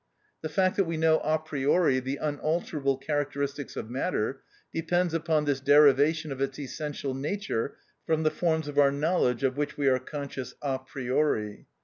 The fact that we know a priori the unalterable characteristics of matter, depends upon this derivation of its essential nature from the forms of our knowledge of which we are conscious a priori.